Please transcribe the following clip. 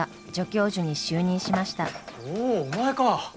おおお前か！